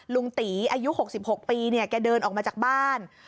ลุงตีอายุ๖๖ปีเนี่ยแกเดินออกมาจากบ้าน